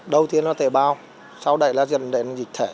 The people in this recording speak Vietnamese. đầu tiên là tệ bao sau đấy là dẫn đến dịch thể